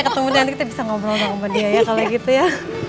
ketemu nanti kita bisa ngobrol sama dia ya kalau gitu ya